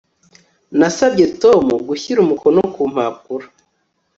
Nasabye Tom gushyira umukono ku mpapuro